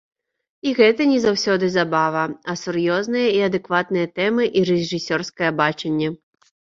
І гэта не заўсёды забава, а сур'ёзныя і адэкватныя тэмы і рэжысёрскае бачанне.